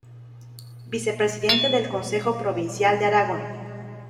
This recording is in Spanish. Vicepresidente del Consejo Provincial de Aragón.